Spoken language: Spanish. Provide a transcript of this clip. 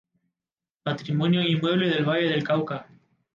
Patrimonio Inmueble del Valle del Cauca.